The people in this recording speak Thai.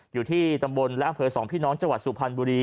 อยู่ที่ตำบลและอำเภอสองพี่น้องจังหวัดสุพรรณบุรี